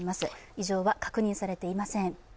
異常は確認されていません。